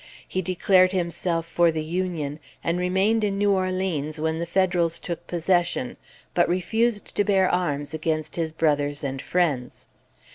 He declared himself for the Union, and remained in New Orleans when the Federals took possession, but refused to bear arms against his brothers and friends.